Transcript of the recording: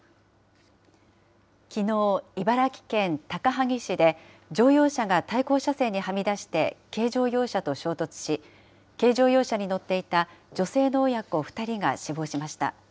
きのう、茨城県高萩市で、乗用車が対向車線にはみ出して軽乗用車と衝突し、軽乗用車に乗っていた女性の親子２人が死亡しました。